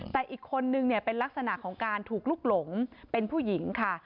แต่อีกคนนึงเนี่ยเป็นลักษณะของการถูกลุกหลงเป็นผู้หญิงค่ะ